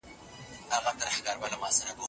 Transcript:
ټولنیز علوم د ټولنیزو چارو سره اړیکي لري.